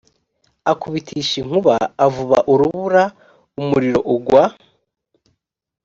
akubitisha inkuba avuba urubura umuriro ugwa